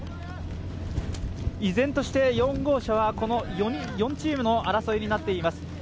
依然として４号車は、この４チームの争いになっています。